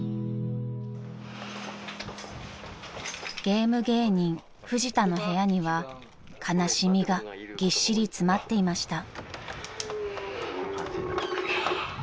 ［ゲーム芸人フジタの部屋には悲しみがぎっしり詰まっていました］